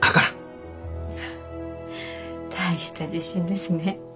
フッ大した自信ですね。